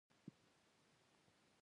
ایا زما سږي روغ دي؟